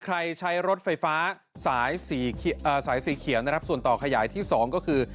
ใช้รถไฟฟ้าสายสีเขียวนะครับส่วนต่อขยายที่๒ก็คือ